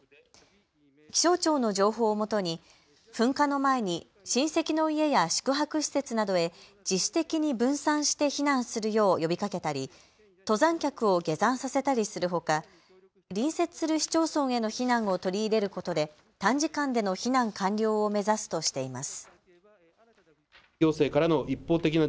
気象庁の情報をもとに噴火の前に親戚の家や宿泊施設などへ自主的に分散して避難するよう呼びかけたり登山客を下山させたりするほか隣接する市町村への避難を取り入れることで短時間での避難完了を目指すとしています。